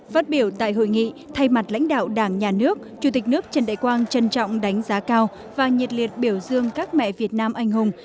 phát biểu tại hội nghị thay mặt lãnh đạo đảng nhà nước chủ tịch nước trần đại quang trân trọng đánh giá cao và nhiệt liệt biểu dương các mẹ việt nam anh hùng